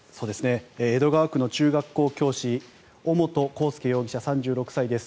江戸川区の中学校教師尾本幸祐容疑者、３６歳です。